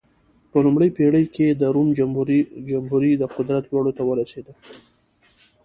په لومړۍ پېړۍ کې د روم جمهوري د قدرت لوړو ته ورسېده.